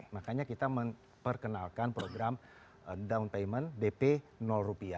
makanya kita memperkenalkan program down payment dp rupiah